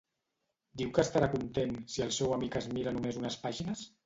Diu que estarà content si el seu amic es mira només unes pàgines?